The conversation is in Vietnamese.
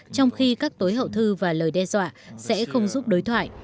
trong khi các tối hậu thư và lời đe dọa sẽ không giúp đối thoại